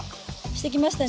してきましたね。